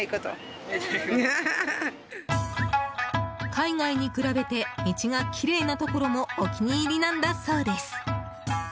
海外に比べて道がきれいなところもお気に入りなんだそうです。